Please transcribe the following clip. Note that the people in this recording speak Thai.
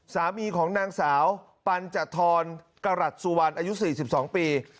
สามีของนางสาวปัญจธรกระหลัดสู่วันอายุสี่สิบสองปี